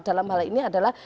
dalam hal ini adalah